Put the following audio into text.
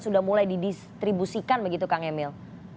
sudah mulai didistribusikan begitu kang emil